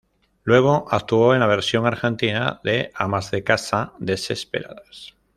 Luego actuó en la versión argentina de "Amas de casa desesperadas".